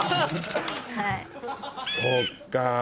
そっか。